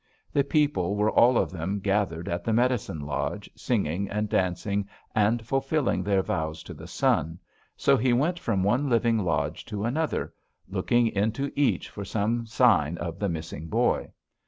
The people were all of them gathered at the medicine lodge, singing and dancing, and fulfilling their vows to the sun, so he went from one living lodge to another, looking into each for some sign of the missing boy.